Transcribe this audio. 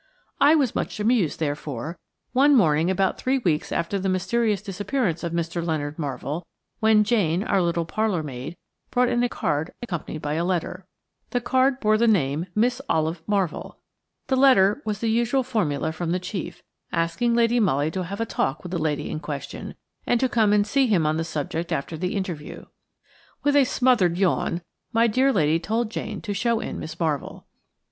I was much amused, therefore, one morning about three weeks after the mysterious disappearance of Mr. Leonard Marvell, when Jane, our little parlour maid, brought in a card accompanied by a letter. The card bore the name "Miss Olive Marvell." The letter was the usual formula from the chief, asking Lady Molly to have a talk with the lady in question, and to come and see him on the subject after the interview. With a smothered yawn my dear lady told Jane to show in Miss Marvell.